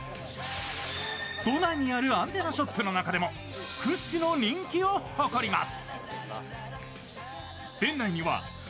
都内にあるアンテナショップの中でも屈指の人気を誇ります。